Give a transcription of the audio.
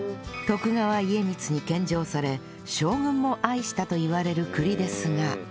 徳川家光に献上され将軍も愛したといわれる栗ですが